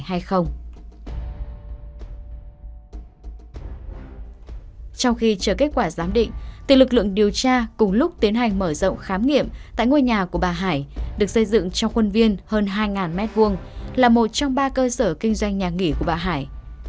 trong khi chờ kết quả giám định từ lực lượng điều tra cùng lúc tiến hành mở rộng khám nghiệm tại ngôi nhà của bà hải được xây dựng trong khuôn viên hơn hai m hai là một trong ba cơ sở kinh doanh nhà nghỉ của bà hải